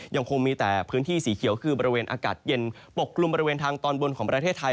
ยังคงมีแต่พื้นที่สีเขียวคือบริเวณอากาศเย็นปกกลุ่มบริเวณทางตอนบนของประเทศไทย